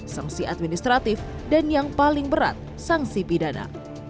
sanksi administratif dan yang paling berat sanksi pidana